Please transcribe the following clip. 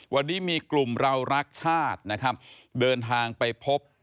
วันนี้มีกลุ่มเรารักชาตินะครับเดินทางไปพบ